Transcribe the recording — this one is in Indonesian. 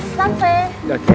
sampai lagi ya